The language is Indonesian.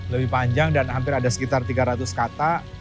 lebih panjang dan hampir ada sekitar tiga ratus kata